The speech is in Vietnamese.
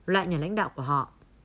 lại nhà lãnh đạo của họ